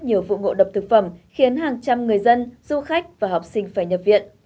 nhiều vụ ngộ độc thực phẩm khiến hàng trăm người dân du khách và học sinh phải nhập viện